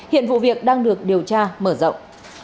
hiện vụ việc đang được điều tra mở rộng